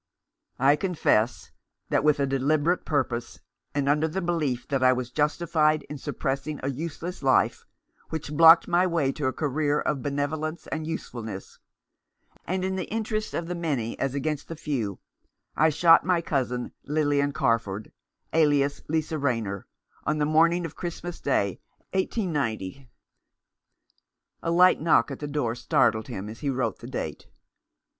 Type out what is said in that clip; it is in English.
"I confess that, with a deliberate purpose, and under the belief that I was justified in suppressing a useless life, which blocked my way to a career of benevolence and usefulness, and in the interests of the many as against the few, I shot my cousin, Lilian Carford, alias Lisa Rayner, on the morning of Christmas Day, 189—." A light knock at the door startled him as he wrote the date.